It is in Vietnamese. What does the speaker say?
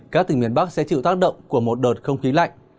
các tỉnh miền bắc sẽ chịu tác động của một đợt không khí lạnh